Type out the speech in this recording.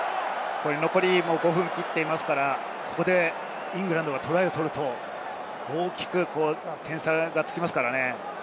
残り５分を切っていますから、ここでイングランドがトライを取ると大きく点差がつきますからね。